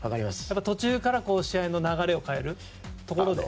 途中から試合の流れを変えるところで。